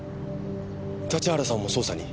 立原さんも捜査に？